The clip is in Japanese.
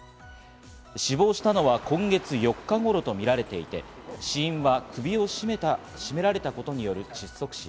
死亡したのは今月４日頃とみられていて、死因は首を絞められたことによる窒息死。